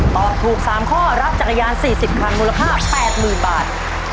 ตอบถูก๓ข้อรับจักรยาน๔๐คันมูลค่า๘๐๐๐บาท